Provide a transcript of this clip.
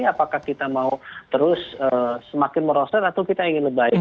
apakah kita mau terus semakin merosot atau kita ingin lebih baik